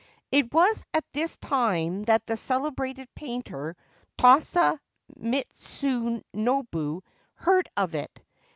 It was at this time that the celebrated painter Tosa Mitsunobu heard of it.